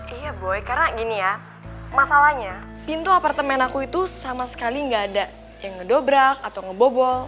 iya boy karena gini ya masalahnya pintu apartemen aku itu sama sekali nggak ada yang ngedobrak atau ngebobol